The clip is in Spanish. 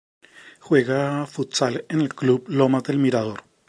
Juega futsal en el Club Lomas del Mirador